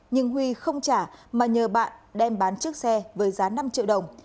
nhưng huy không trả mà nhờ bạn đem bán chiếc xe với giá năm triệu đồng